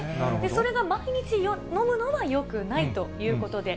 それが毎日飲むのはよくないということで。